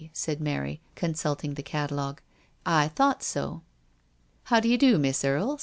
said Mary, consulting the catalogue. "I thought so." " How do you do, Miss Erie